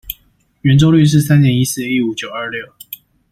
圓周率是三點一四一五九二六